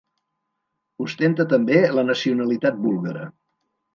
Ostenta també la nacionalitat búlgara.